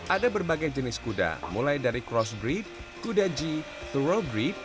ada berbagai jenis kuda mulai dari crossbreed kuda jeep thoroughbreed